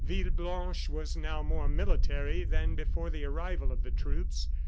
Villeblanche was now more military than before the arrival of the troops.